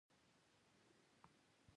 هغه د تاوده آرمان پر مهال د مینې خبرې وکړې.